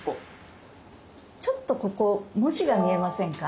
ちょっとここ文字が見えませんか？